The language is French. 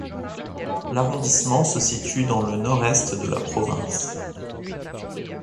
L’arrondissement se situe dans le Nord-Est de la province.